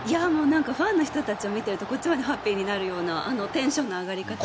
ファンの人たちを見ているとこっちまでハッピーになるようなテンションの上がり方で。